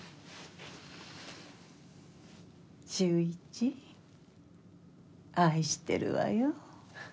秀一愛してるわよ。